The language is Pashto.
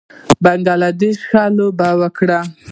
بنګله دېش ښه لوبه وکړه